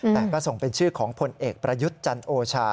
แต่ก็ส่งเป็นชื่อของผลเอกประยุทธ์จันโอชา